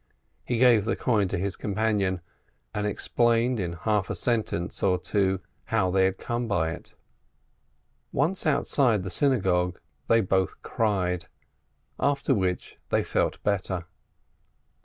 He gave the coin to his companion, and explained in a half sentence or two how they had come by it. Once outside the Klaus, they both cried, after which they felt better.